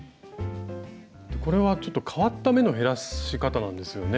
これはちょっと変わった目の減らし方なんですよね。